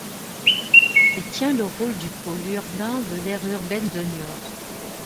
Elle tient le rôle du pôle urbain de l'aire urbaine de Niort.